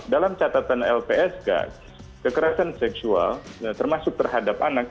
dalam catatan lpsk kekerasan seksual termasuk terhadap anak